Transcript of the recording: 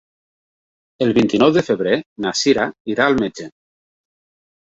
El vint-i-nou de febrer na Sira irà al metge.